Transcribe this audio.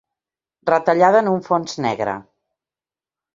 Retallada en un fons negre.